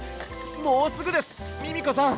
もうすぐですミミコさん！